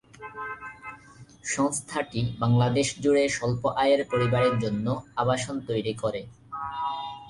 সংস্থাটি বাংলাদেশ জুড়ে স্বল্প আয়ের পরিবারের জন্য আবাসন তৈরি করে।